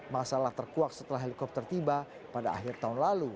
masalah terkuak setelah helikopter tiba pada akhir tahun lalu